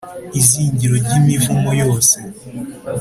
izingiro ry’imivumo yose